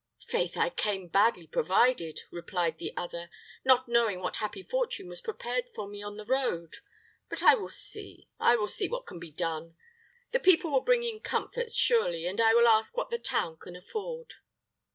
"Faith, I came badly provided," replied the other, "not knowing what happy fortune was prepared for me on the road. But I will see I will see what can be done. The people will bring in comfits, surely, and I will ask what the town can afford."